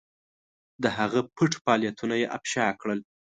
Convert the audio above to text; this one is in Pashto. د هغه پټ فعالیتونه یې افشا کړل.